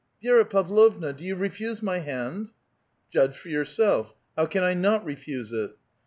" Vi^ra Pavlovna, do vou refuse mv hand?" " Judge for vourself ; how can I not refuse it?"